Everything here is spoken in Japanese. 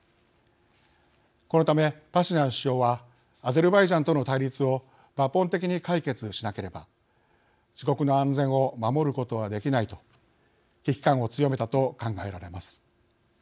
このため、パシニャン首相はアゼルバイジャンとの対立を抜本的に解決しなければ自国の安全を守ることはできないと危機感を強めたと考えられます。